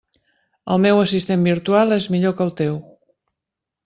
El meu assistent virtual és millor que el teu.